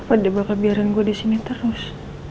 apa dia bakal biarin gue disini terus